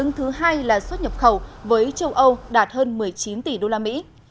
ngay là xuất nhập khẩu với châu âu đạt hơn một mươi chín tỷ usd